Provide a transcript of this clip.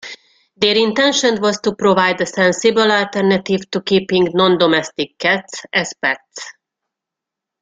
Their intention was to provide a sensible alternative to keeping nondomestic cats as pets.